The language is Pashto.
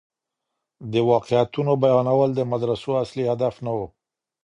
د واقعيتونو بيانول د مدرسو اصلي هدف نه و.